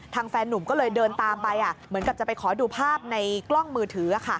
แฟนนุ่มก็เลยเดินตามไปเหมือนกับจะไปขอดูภาพในกล้องมือถือ